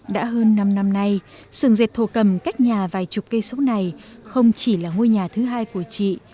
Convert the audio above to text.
đã hơn năm năm nay sườn dệt thổ cầm cách nhà vài chục cây số này không chỉ là ngôi nhà thứ hai của chị